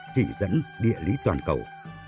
chỉ dẫn địa lý toàn cầu